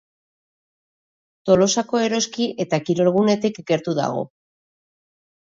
Tolosako Eroski eta kirolgunetik gertu dago.